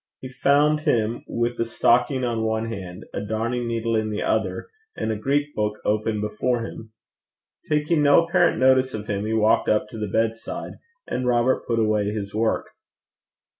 He found him with a stocking on one hand, a darning needle in the other, and a Greek book open before him. Taking no apparent notice of him, he walked up to the bedside, and Robert put away his work.